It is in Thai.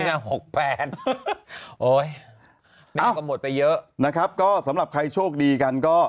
หกแปดโอ้ยเอาแม่ก็หมดไปเยอะนะครับก็สำหรับใครโชคดีกันก็